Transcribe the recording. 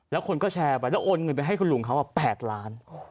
แล้วคนก็แชร์ไปแล้วโอนเงินไปให้คุณลุงเขา๘ล้าน